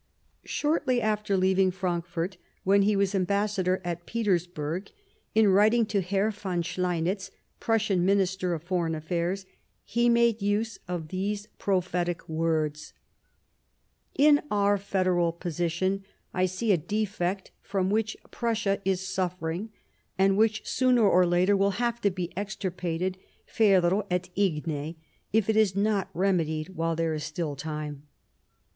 Shortly after leaving Frankfort, when he was Ambassador at Petersburg, in writing to Herr von Schleinitz, Prussian Minister of Foreign Affairs, he made use of these prophetic words : 38 Years of Preparation " In our federal position I see a defect from which Prussia is suffering, and which, sooner or later, will have to be extirpated ferro et igne, if it is not remedied while there is still time."